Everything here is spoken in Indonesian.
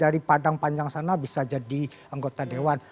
dari padang panjang sana bisa jadi anggota dewan